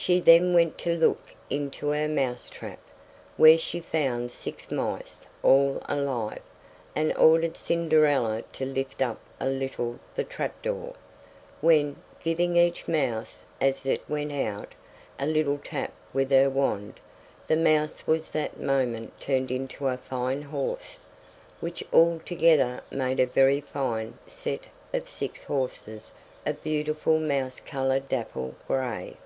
She then went to look into her mouse trap, where she found six mice, all alive, and ordered Cinderella to lift up a little the trapdoor, when, giving each mouse, as it went out, a little tap with her wand, the mouse was that moment turned into a fine horse, which altogether made a very fine set of six horses of a beautiful mouse colored dapple gray.